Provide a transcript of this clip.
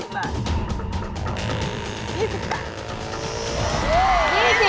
๒๐บาท